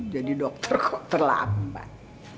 jadi dokter kok terlambat